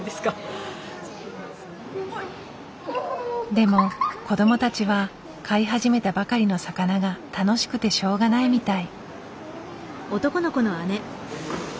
でも子どもたちは飼い始めたばかりの魚が楽しくてしょうがないみたい。